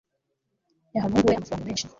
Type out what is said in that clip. yahaye umuhungu we amafaranga menshi